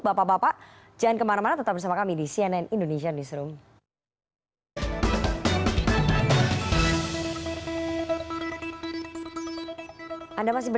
bapak bapak jangan kemana mana tetap bersama kami di cnn indonesian newsroom